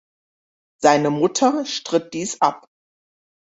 Seine Mutter stritt dies ab.